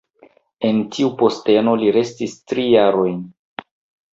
En tiu posteno li restis tri jarojn.